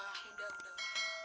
ada p margin yang tetapzes meskipun